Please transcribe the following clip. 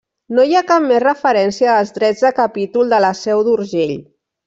No hi ha cap més referència dels drets de capítol de la Seu d'Urgell.